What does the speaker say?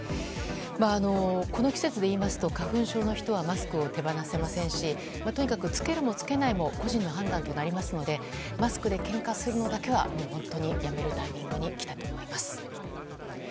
この季節でいいますと花粉症の人はマスクを手放せませんしとにかく着けるも着けないも個人の判断となりますのでマスクでけんかするのだけはやめるタイミングにきたと思います。